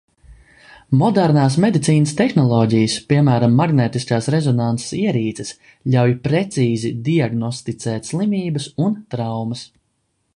Modernās medicīnas tehnoloģijas, piemēram, magnētiskās rezonanses ierīces, ļauj precīzi diagnosticēt slimības un traumas.